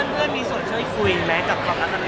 เพื่อนมีส่วนช่วยคุยไหมกับความรักตอนนั้น